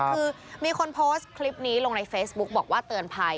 คือมีคนโพสต์คลิปนี้ลงในเฟซบุ๊กบอกว่าเตือนภัย